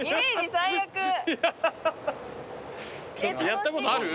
やったことある？